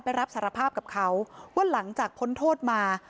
รับสารภาพกับเขาว่าหลังจากพ้นโทษมา